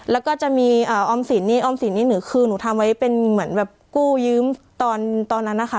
แล้วก็จะมีออมสินนี่ออมสินนี่หนูคือหนูทำไว้เป็นเหมือนแบบกู้ยืมตอนนั้นนะคะ